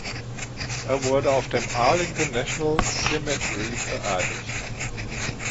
Er wurde auf dem Arlington National Cemetery beerdigt.